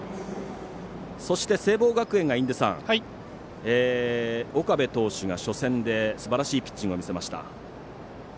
そして聖望学園が岡部投手が初戦ですばらしいピッチング見せました。